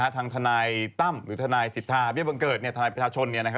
ทางทนายตั้มหรือทนายสิทธาเบี้ยบังเกิดเนี่ยทนายประธาชนเนี่ยนะครับ